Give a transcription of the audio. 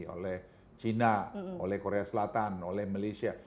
oleh china oleh korea selatan oleh malaysia